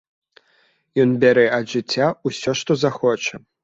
Ён бярэ ад жыцця ўсё, што захоча.